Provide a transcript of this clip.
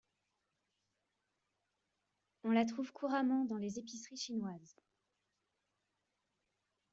On la trouve couramment dans les épiceries chinoises.